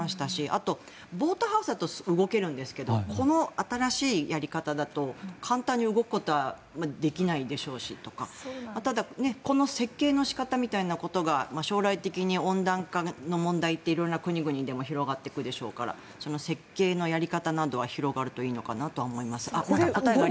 あと、ボートハウスだと動けるんですけどこの新しいやり方だと簡単に動くことはできないでしょうしとかただこの設計の仕方みたいなことが将来的に温暖化の問題って色んな国々でも広がっていくでしょうから設計のやり方などは広がるといいのかなと思います。